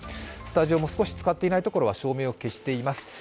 スタジオも少し使っていないところは照明を消しています。